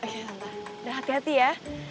yalah ya hati hati ya